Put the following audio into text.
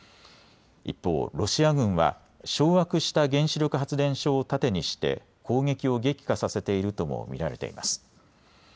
一方、ロシア軍は掌握した原子力発電所を盾にして攻撃を激化させているとも見られています。